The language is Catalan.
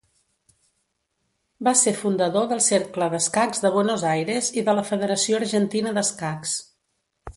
Va ser fundador del Cercle d'Escacs de Buenos Aires i de la Federació Argentina d'Escacs.